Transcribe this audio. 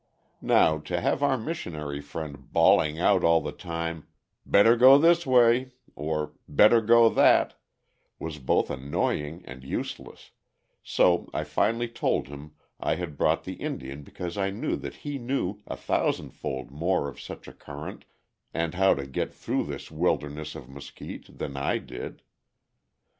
Now to have our missionary friend bawling out all the time, "Better go this way," or "Better go that," was both annoying and useless, so I finally told him I had brought the Indian because I knew that he knew a thousand fold more of such a current and how to get through this wilderness of mesquite than I did.